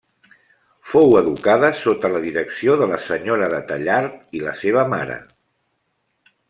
Fou educada sota la direcció de la senyora de Tallard i la seva mare.